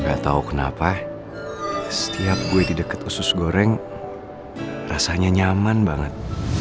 gak tahu kenapa setiap gue di dekat usus goreng rasanya nyaman banget